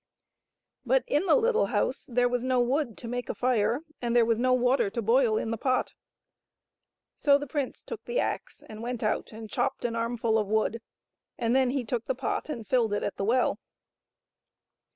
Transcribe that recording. But in the little house there was no wood to make a fire, and there was no water to boil in the pot. So the prince took the axe and went out and chopped an armful of wood, and then he took the pot and filled it at the well.